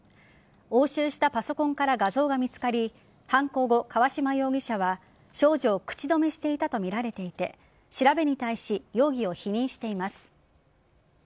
押収したパソコンから画像が見つかり犯行後、河嶌容疑者は少女を口止めしていたとみられていて調べに対し容疑を否認しています。